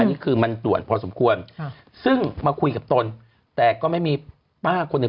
อันนี้คือมันด่วนพอสมควรค่ะซึ่งมาคุยกับตนแต่ก็ไม่มีป้าคนหนึ่ง